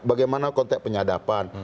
bagaimana konteks penyadapan